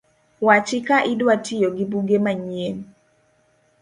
Wachi ka idwa tiyo gi buge manyien